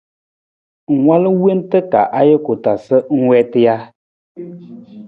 Ng walu na na wiitar ka ajuku taa sa ng wiita ja?